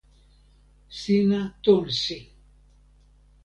sina tonsi.